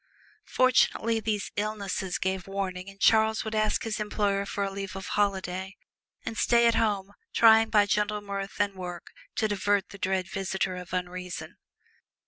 Fortunately these "illnesses" gave warning and Charles would ask his employer leave for a "holiday," and stay at home trying by gentle mirth and work to divert the dread visitor of unreason.